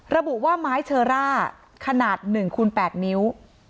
ระบุว่าไม้เธอร่าขนาดหนึ่งคูณแปดนิ้ว